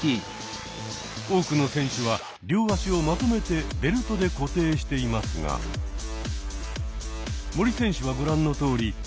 多くの選手は両足をまとめてベルトで固定していますが森選手はご覧のとおり。